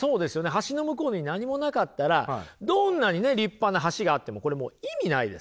橋の向こうに何もなかったらどんなにね立派な橋があってもこれもう意味ないですよね？